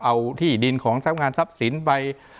เอาที่ดินของทรัพย์งานทรัพย์สินไป